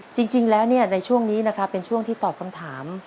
จริงแล้วในช่วงนี้นะครับเป็นช่วงที่ตอบคำถาม